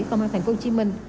công an thành phố hồ chí minh